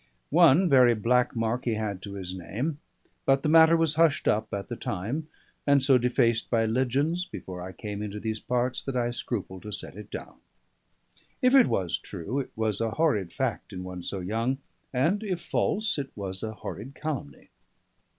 One very black mark he had to his name; but the matter was hushed up at the time, and so defaced by legends before I came into these parts that I scruple to set it down. If it was true, it was a horrid fact in one so young; and if false, it was a horrid calumny.